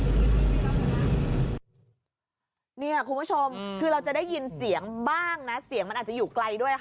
คุณผู้ชมคือเราจะได้ยินเสียงบ้างนะเสียงมันอาจจะอยู่ไกลด้วยค่ะ